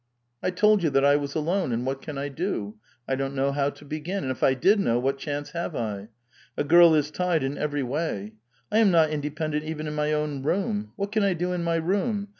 '' I told you that I was alone, and what can I do? I don't know how to begin ; and if I did know, what chance have I? A girl is tied in every way. I am not independent even in my own room. What can I do in my room